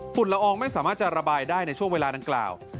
ละอองไม่สามารถจะระบายได้ในช่วงเวลาดังกล่าว